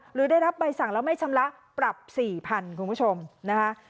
หรือได้รับใบสั่งแล้วไม่ชำระปรับ๔๐๐๐คุณผู้ชมนะคะ